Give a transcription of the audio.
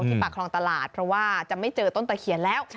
ปากคลองตลาดเพราะว่าจะไม่เจอต้นตะเคียนแล้ว